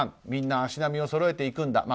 みんな足並みをそろえていくんだ。